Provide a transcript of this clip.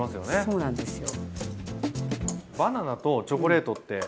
そうなんですよ。